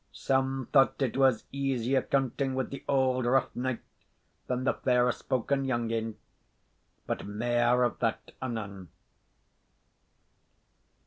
Some thought it was easier counting with the auld rough knight than the fair spoken young ane but mair of that anon.